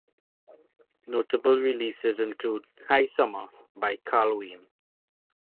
Notable releases include "Hi Summer" by Carl Wayne.